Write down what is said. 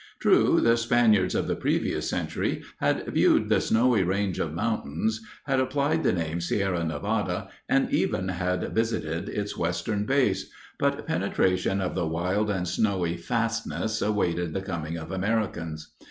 True, the Spaniards of the previous century had viewed the "snowy range of mountains," had applied the name Sierra Nevada, and even had visited its western base. But penetration of the wild and snowy fastness awaited the coming of Americans.